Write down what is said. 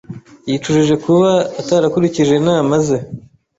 Yicujije kuba atarakurikije inama ze.